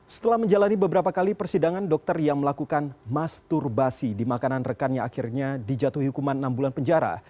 setelah menjalani beberapa kali persidangan dokter yang melakukan masturbasi di makanan rekannya akhirnya dijatuhi hukuman enam bulan penjara